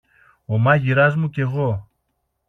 ο μάγειρας μου κι εγώ!